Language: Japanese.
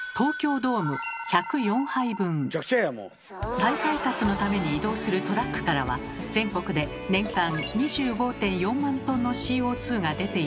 再配達のために移動するトラックからは全国で年間２５．４万トンのＣＯが出ているのです。